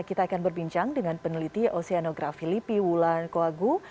kita akan berbincang dengan peneliti oseanografi lipi wulan koagu